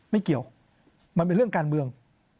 ไม่เกี่ยวมันเป็นเรื่องการเมือง